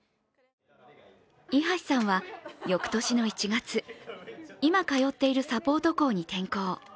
伊橋さんは、よくとしの１月今通っているサポート校に転校。